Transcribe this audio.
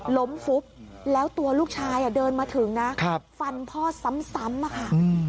ฟุบแล้วตัวลูกชายเดินมาถึงนะฟันพ่อซ้ำอะค่ะ